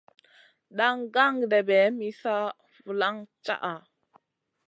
Daŋ gan-ɗèɓè mi sa ma vulaŋ caʼa.